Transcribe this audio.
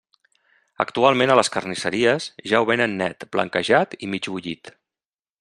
Actualment a les carnisseries ja ho venen net, blanquejat i mig bullit.